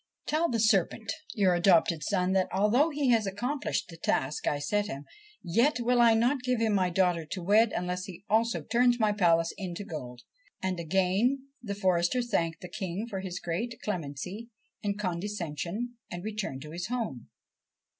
'Tell the serpent, your adopted son, that, although he has accomplished the task I set him, yet will I not give him my daughter to wed unless he also turns my palace into gold,' he said to Matteo, and again the forester thanked the King for his great clemency and condescension, and returned to his home.